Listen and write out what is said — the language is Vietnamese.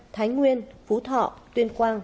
thái nguyên phú thọ tuyên quang